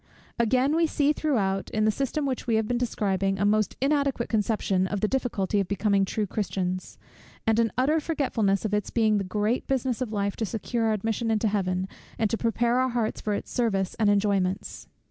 Again, we see throughout, in the system which we have been describing a most inadequate conception of the difficulty of becoming true Christians; and an utter forgetfulness of its being the great business of life to secure our admission into Heaven, and to prepare our hearts for its service and enjoyments.